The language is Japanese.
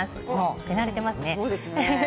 手慣れていますね。